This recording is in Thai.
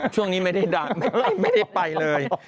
ช่วงนี้ไม่ได้ไปเลย